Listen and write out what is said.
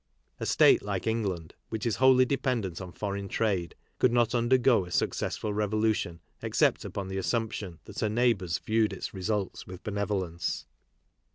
A State like England, which is wholly dependent on foreign trade, could not undergo a successful revolution except upon the assumption that her neighbours viewed its results with benevolence.